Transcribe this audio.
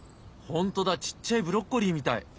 本当だちっちゃいブロッコリーみたい。